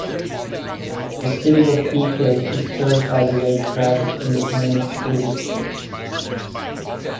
The city of Bee Cave is served by the Lake Travis Independent School District.